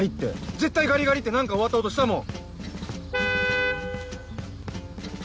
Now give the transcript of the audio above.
絶対「ガリガリ」って何か終わった音したもん。